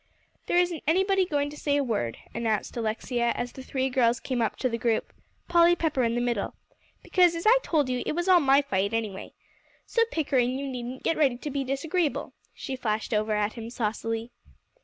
"There isn't anybody going to say a word," announced Alexia, as the three girls came up to the group, Polly Pepper in the middle, "because, as I told you, it was all my fight, anyway. So, Pickering, you needn't get ready to be disagreeable," she flashed over at him saucily.